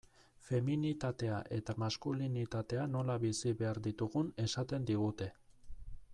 Feminitatea eta maskulinitatea nola bizi behar ditugun esaten digute.